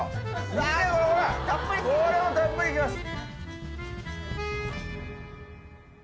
見てこれほら！これはたっぷりいきます。